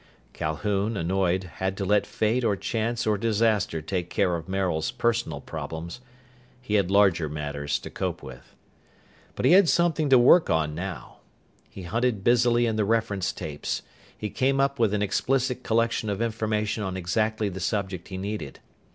Calhoun, annoyed, had to let fate or chance or disaster take care of Maril's personal problems. He had larger matters to cope with. But he had something to work on, now. He hunted busily in the reference tapes. He came up with an explicit collection of information on exactly the subject he needed.